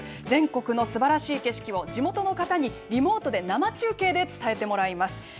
全国のすばらしい景色を、地元の方にリモートで生中継で伝えてもらいます。